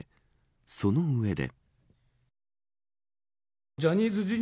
その上で。